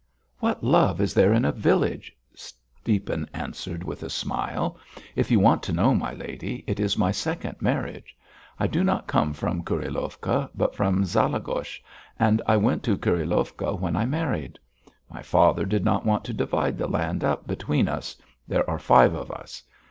"What love is there in a village?" Stiepan answered with a smile. "If you want to know, my lady, it is my second marriage. I do not come from Kurilovka, but from Zalegosch, and I went to Kurilovka when I married. My father did not want to divide the land up between us there are five of us.